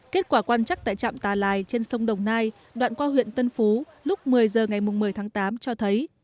kết quả quan trắc tại trạm tà lai trên sông đồng nai đoạn qua huyện tân phú lúc một mươi h ngày một mươi tháng tám cho thấy